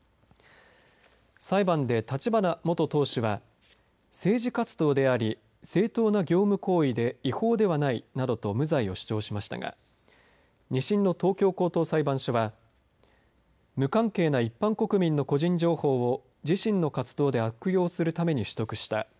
裁判で立花元党首は、政治活動であり、正当な業務行為で違法ではないなどと無罪を主張しましたが、２審の東京高等裁判所は、無関係な一般国民の個人情報を自身の活動で悪用するために取得した。